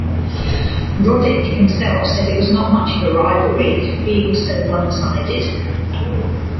Roddick himself said it was not much of a rivalry, being so one-sided.